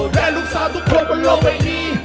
แม่ลูกสาวทุกคนบนโลกเวที